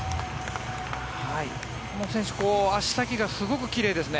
この選手足先がすごく奇麗ですね。